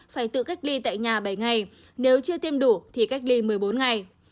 phải tự cách ly tại nhà bảy ngày nếu chưa tiêm đủ thì cách ly một mươi bốn ngày